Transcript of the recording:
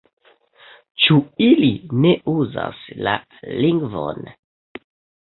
Ĉu ili ne uzas la lingvon?